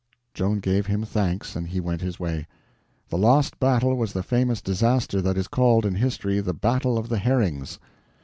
Joan gave him thanks, and he went his way. The lost battle was the famous disaster that is called in history the Battle of the Herrings.